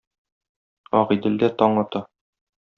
Агыйделдә таң ата.